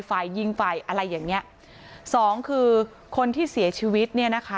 ฝ่ายยิงฝ่ายอะไรอย่างเงี้ยสองคือคนที่เสียชีวิตเนี่ยนะคะ